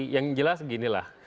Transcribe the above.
yang jelas beginilah